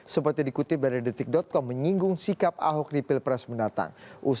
seperti dikutip dari detik com menyinggung sikap ahok di pilpres mendatang